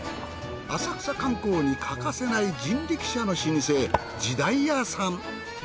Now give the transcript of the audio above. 浅草観光に欠かせない人力車の老舗時代屋さん。